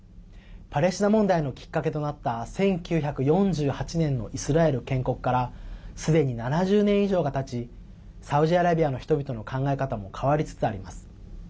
パレスチナ問題のきっかけとなった１９４８年のイスラエル建国からすでに７０年以上がたちサウジアラビアの人々の考え方も変わりつつあります。